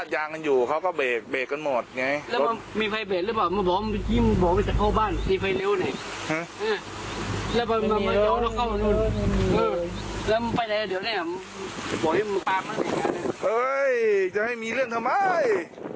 จะให้มีเรื่องทำไม